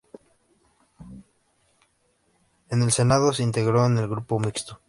En el senado se integró en el grupo mixto.